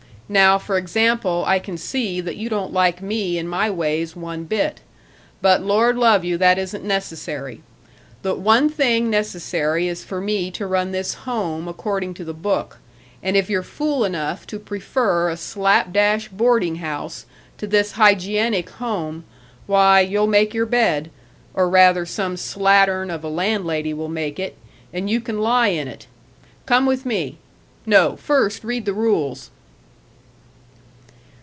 Now, for example, I can see that you don't like me and my ways one bit. But Lord love you, that isn't necessary. The one thing necessary is for me to run this Home according to the book, and if you're fool enough to prefer a slap dash boarding house to this hygienic Home, why, you'll make your bed or rather some slattern of a landlady will make it and you can lie in it. Come with me. No; first read the rules."